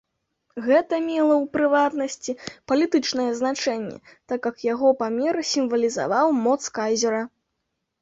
Гэта мела, у прыватнасці, палітычнае значэнне, так як яго памер сімвалізаваў моц кайзера.